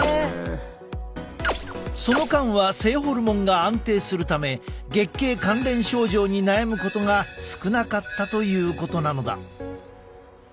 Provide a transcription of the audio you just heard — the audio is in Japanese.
その間は性ホルモンが安定するため月経関連症状に悩むことが少なかったということなのだ。